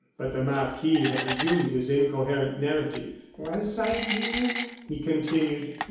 But the marquis had resumed his incoherent narrative. "Was I dreaming?" he continued.